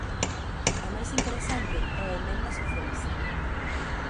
A máis interesante é a emenda socialista.